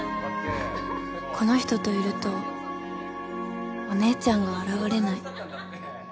この人といるとお姉ちゃんが現れない